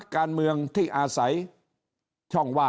ก็มาเมืองไทยไปประเทศเพื่อนบ้านใกล้เรา